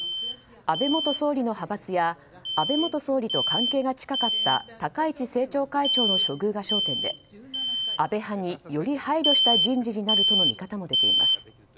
安倍元総理の派閥や安倍元総理と関係が近かった高市政調会長の処遇が焦点で安倍派により配慮した人事になるとの見方も出ています。